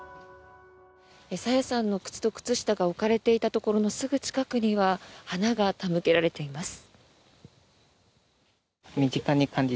朝芽さんの靴と靴下が置かれていたところのすぐ近くには花が手向けられています。